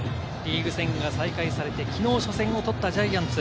リーグ戦が再開されて、きのう、初戦を取ったジャイアンツ。